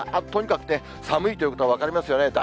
とにかくね、寒いということが分かりますよね。